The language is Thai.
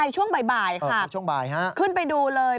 ใช่ช่วงบ่ายค่ะขึ้นไปดูเลย